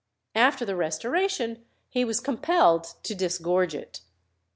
After the Restoration he was compelled to disgorge it.